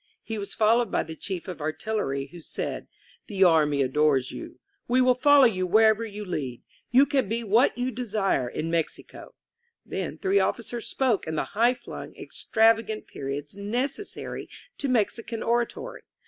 He was followed by the Chief of Artillery, who said: "The army adores you. We will follow you wherever you lead. You can be what you desire in Mexico." Then three other officers spoke in the high flung, extrava gant periods necessary to Mexican oratory.